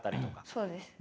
そうです。